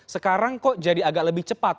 sekarang kok jadi agak lebih cepat